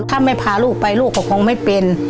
ถ้าไม่พาลูกไปลูกก็คงไม่เป็น